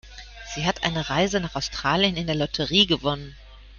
Sie hat eine Reise nach Australien in der Lotterie gewonnen.